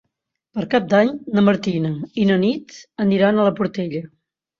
Per Cap d'Any na Martina i na Nit aniran a la Portella.